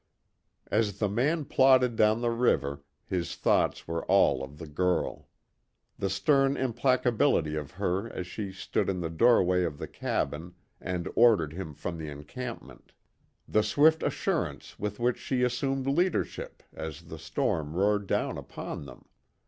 As the man plodded down the river, his thoughts were all of the girl. The stern implacability of her as she stood in the doorway of the cabin and ordered him from the encampment. The swift assurance with which she assumed leadership as the storm roared down upon them.